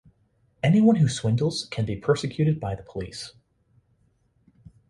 Any one who swindles can be persecuted by the police.